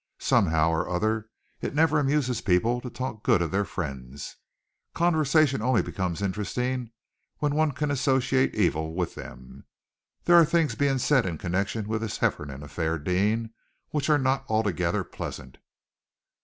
Somehow or other, it never amuses people to talk good of their friends; conversation only becomes interesting when one can associate evil with them. There are things being said in connection with this Hefferom affair, Deane, which are not altogether pleasant."